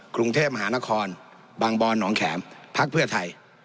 กรุงเทพมหานครบางบอนหนองแข็มพักเพื่อไทย